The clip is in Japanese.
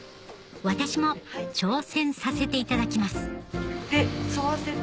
私も挑戦させていただきます沿わせて。